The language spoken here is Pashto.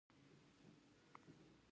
د ګیډې د غوړ لپاره باید څه وکړم؟